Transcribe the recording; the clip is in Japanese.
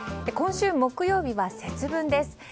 今週木曜日は節分です。